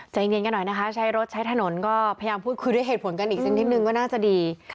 ใจเย็นกันหน่อยนะคะใช้รถใช้ถนนก็พยายามพูดคุยด้วยเหตุผลกันอีกสักนิดนึงก็น่าจะดี